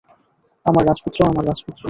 আমার রাজপুত্র, আমার রাজপুত্র।